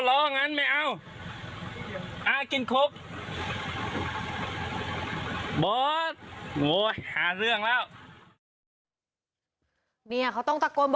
รองันไม่เอาอ้ากินครบโอ้หาเรื่องแล้วเนี่ยเขาต้องตะกน